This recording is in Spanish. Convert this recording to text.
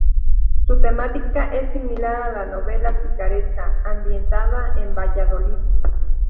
Su temática es similar a la novela picaresca, ambientada en Valladolid.